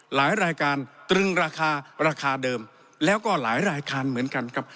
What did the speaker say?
หลายรายการตรึงราคาราคาเดิมแล้วก็หลายรายการเหมือนกันครับ